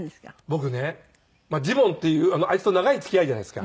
僕ねジモンっていうあいつと長い付き合いじゃないですか。